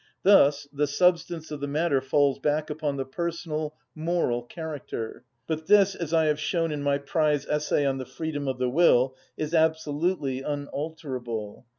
Thus the substance of the matter falls back upon the personal, moral character; but this, as I have shown in my prize essay on the freedom of the will, is absolutely unalterable.